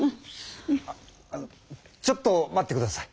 ああのちょっと待ってください！